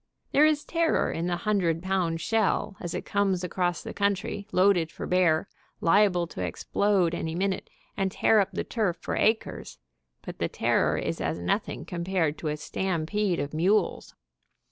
There is terror in the hundred pound shell as it comes across the country, loaded for bear, liable to explode any minute and tear up the turf for acres, but the terror is as nothing compared to a stampede of mules.